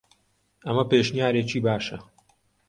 ئەمە پێشنیارێکی باشە.